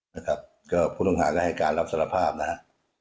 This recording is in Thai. นะครับก็ผู้ต้องหาก็ให้การรับสารภาพนะฮะ